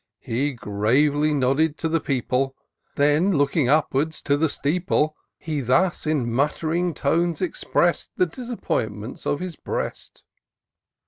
He gravely nodded to the people ; Then looking upwards to the steeple, c 10 TOUR OF DOCTOR SYNTAX He thus/in mutt'ring tones, express'd The disappointments of his breast.